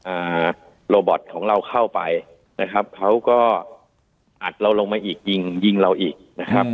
อ่าโลบอตของเราเข้าไปนะครับเขาก็อัดเราลงมาอีกยิงยิงเราอีกนะครับ